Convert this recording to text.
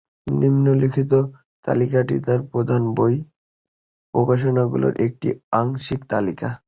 নিম্নলিখিত তালিকাটি তাঁর প্রধান বই প্রকাশনাগুলির একটি আংশিক তালিকা।